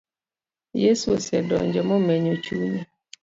Yesu osedonjo momenyo chunya